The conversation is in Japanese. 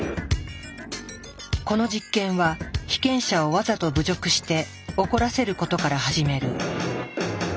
この実験は被験者をわざと侮辱して怒らせることから始める。